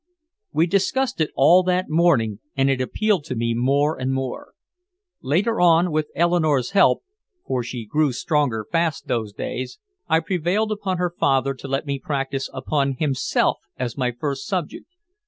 We discussed it all that morning and it appealed to me more and more. Later on, with Eleanore's help (for she grew stronger fast those days), I prevailed upon her father to let me practice upon himself as my first subject.